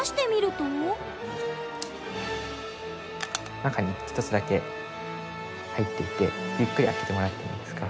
中に一つだけ入っていてゆっくり開けてもらってもいいですか？